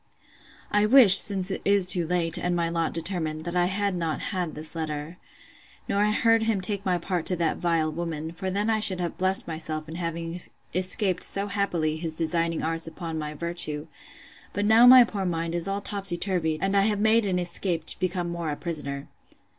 I wish, since it is too late, and my lot determined, that I had not had this letter, nor heard him take my part to that vile woman; for then I should have blessed myself in having escaped so happily his designing arts upon my virtue: but now my poor mind is all topsy turvied, and I have made an escape to be more a prisoner.